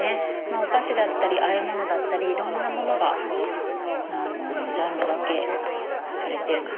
お菓子だったりあえ物だったりいろんなものがジャンル分けされてるので。